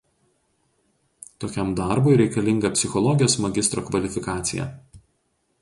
Tokiam darbui reikalinga psichologijos magistro kvalifikacija.